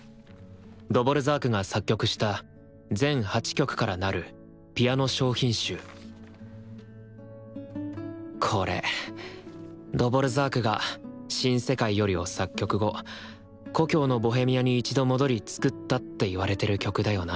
ドヴォルザークが作曲した全８曲からなるピアノ小品集これドヴォルザークが「新世界より」を作曲後故郷のボヘミアに一度戻り作ったって言われてる曲だよな。